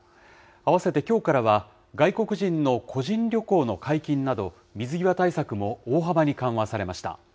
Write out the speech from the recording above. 併せてきょうからは、外国人の個人旅行の解禁など、水際対策も大幅に緩和されました。